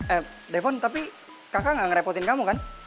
eh depone tapi kakak gak ngerepotin kamu kan